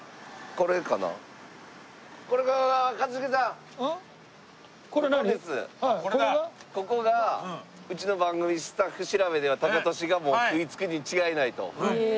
ここがうちの番組スタッフ調べではタカトシが食いつくに違いないと。